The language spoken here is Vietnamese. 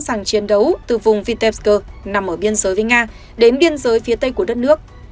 sẵn sàng chiến đấu từ vùng vintevk nằm ở biên giới với nga đến biên giới phía tây của đất nước